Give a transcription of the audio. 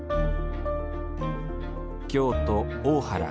京都・大原。